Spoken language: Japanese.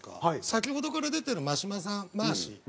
先ほどから出てる真島さんマーシー。